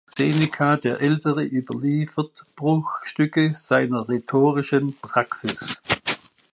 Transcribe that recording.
Seneca der Ältere überliefert Bruchstücke seiner rhetorischen Praxis.